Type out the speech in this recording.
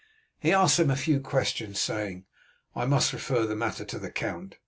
He asked them a few questions, saying, "I must refer the matter to the count.